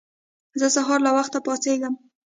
زه سهار له وخته پاڅيږم.